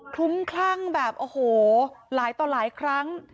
ลุ้มคลั่งแบบโอ้โหหลายต่อหลายครั้ง